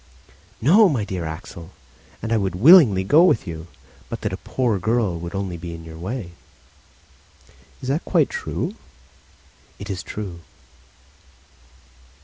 "No, my dear Axel, and I would willingly go with you, but that a poor girl would only be in your way." "Is that quite true?" "It is true."